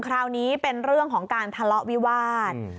คราวนี้เป็นเรื่องของการทะเลาะวิวาส